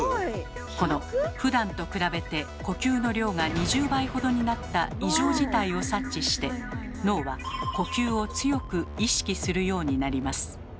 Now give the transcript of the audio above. このふだんと比べて呼吸の量が２０倍ほどになった異常事態を察知して脳は呼吸を強く意識するようになります。